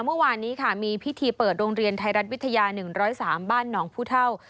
เมื่อวานนี้ค่ะมีพิธีเปิดโรงเรียนไทยรัฐวิทยา๑๐๓บ้านหนองผู้เท่า